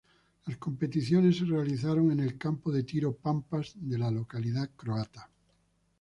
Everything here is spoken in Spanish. Las competiciones se realizaron en el Campo de Tiro Pampas de la localidad croata.